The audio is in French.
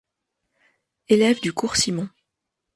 Élève du Cours Simon.